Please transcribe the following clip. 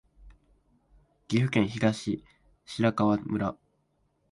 岐阜県東白川村